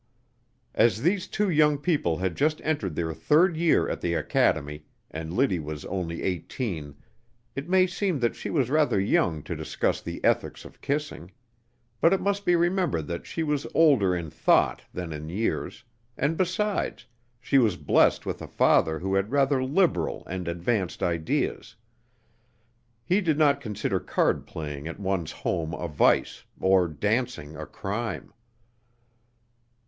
As these two young people had just entered their third year at the academy, and Liddy was only eighteen, it may seem that she was rather young to discuss the ethics of kissing; but it must be remembered that she was older in thought than in years, and besides, she was blessed with a father who had rather liberal and advanced ideas. He did not consider card playing at one's home a vice, or dancing a crime.